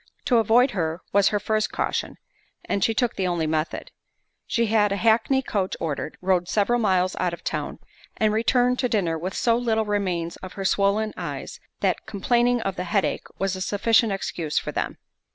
To avoid her was her first caution, and she took the only method; she had a hackney coach ordered, rode several miles out of town, and returned to dinner with so little remains of her swoln eyes, that complaining of the head ache was a sufficient excuse for them.